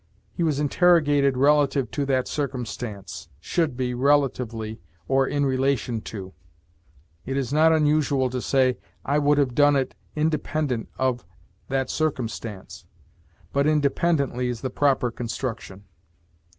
'He was interrogated relative to that circumstance,' should be relatively, or in relation to. It is not unusual to say, 'I would have done it independent of that circumstance,' but independently is the proper construction.